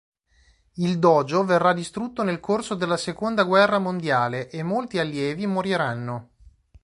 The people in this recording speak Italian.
Il "dojo" verrà distrutto nel corso della seconda guerra mondiale, e molti allievi moriranno.